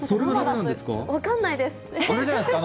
分かんないです。